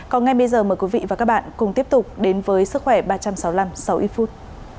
còn ngay bây giờ mời quý vị và các bạn cùng tiếp tục đến với sức khỏe ba trăm sáu mươi năm sau ít phút